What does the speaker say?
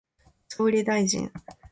総理大臣